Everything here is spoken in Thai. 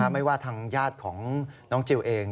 ไม่ว่าทางญาติของน้องจิลเอง